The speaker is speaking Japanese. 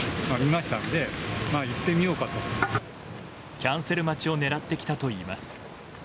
キャンセル待ちを狙ってきたといいます。